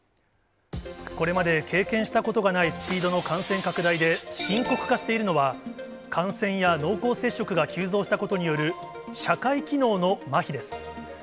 これまで経験したことがないスピードの感染拡大で、深刻化しているのは、感染や濃厚接触が急増したことによる社会機能のまひです。